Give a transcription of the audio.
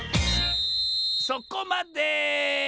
そこまで！